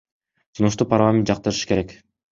Сунушту парламент жактырышы керек.